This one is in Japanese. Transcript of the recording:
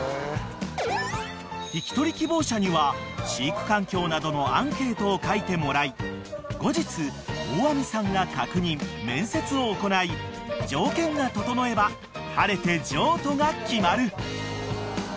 ［引き取り希望者には飼育環境などのアンケートを書いてもらい後日大網さんが確認・面接を行い条件が整えば晴れて譲渡が決まる］